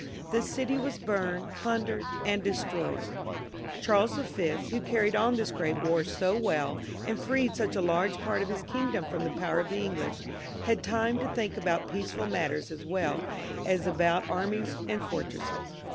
The city was burned, plundered, and destroyed. Charles V., who carried on this great war so well, and freed such a large part of his kingdom from the power of the English, had time to think about peaceful matters as well as about armies and fortresses.